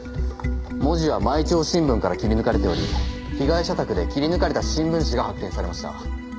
文字は『毎朝新聞』から切り抜かれており被害者宅で切り抜かれた新聞紙が発見されました。